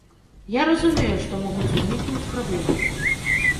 Я разумею, што могуць узнікнуць праблемы.